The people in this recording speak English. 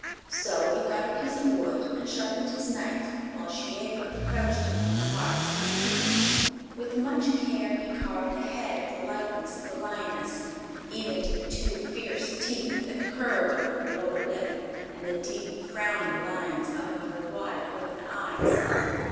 So he got a piece of wood and sharpened his knife, while Shiegra crouched upon the hearth at his feet. With much care he carved the head in the likeness of the lioness, even to the two fierce teeth that curved over her lower lip and the deep, frowning lines above her wide open eyes.